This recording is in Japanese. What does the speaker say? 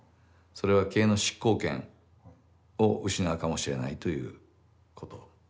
それは経営の執行権を失うかもしれないということ。